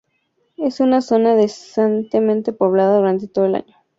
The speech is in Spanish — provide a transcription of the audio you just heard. Es una zona densamente poblada durante todo el año.